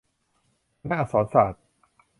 คณะอักษรศาสตร์